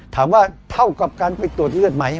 ถามว่าเท่ากับการไปตรวจเลือดไหม